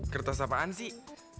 kertas apaan sih